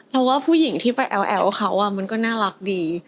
ว่าผู้หญิงที่ไปแอวเขามันก็น่ารักดี